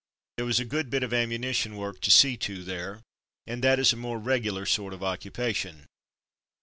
There was a good bit of ammunition work to see to there, and that is a more regular sort of occupation.